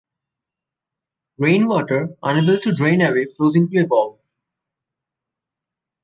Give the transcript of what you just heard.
Rainwater unable to drain away flows into a bog.